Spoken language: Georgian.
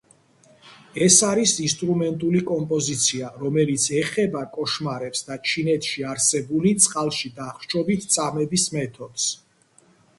ეს არის ინსტრუმენტული კომპოზიცია, რომელიც ეხება კოშმარებს და ჩინეთში არსებული წყალში დახრჩობით წამების მეთოდს.